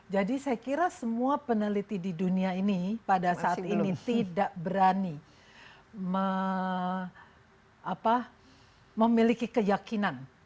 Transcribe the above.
jadi saya kira semua peneliti di dunia ini pada saat ini tidak berani memiliki keyakinan